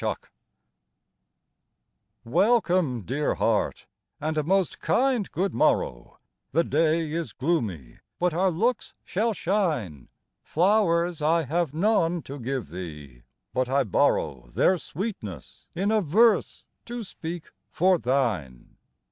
TO Welcome, dear Heart, and a most kind good morrow; The day is gloomy, but our looks shall shine: Flowers I have none to give thee, but I borrow Their sweetness in a verse to speak for thine.